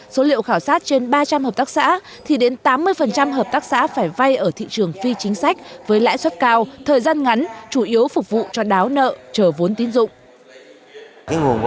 số liệu khảo sát trên ba trăm linh hợp tác xã thì đến tám mươi hợp tác xã phải vay ở thị trường phi chính sách với lãi suất cao thời gian ngắn chủ yếu phục vụ cho đáo nợ trở vốn tín dụng